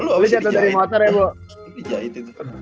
betul lo abis di jahit